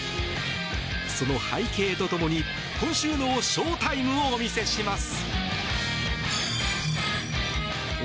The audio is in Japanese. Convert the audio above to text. その背景とともに今週のショウタイムをお見せします。